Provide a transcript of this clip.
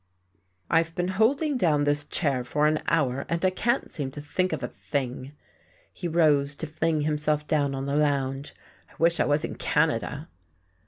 "I've been holding down this chair for an hour, and I can't seem to think of a thing." He rose to fling himself down on the lounge. "I wish I was in Canada."